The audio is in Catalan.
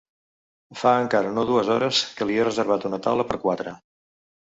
Fa encara no dues hores que l'hi he reservat una taula per quatre.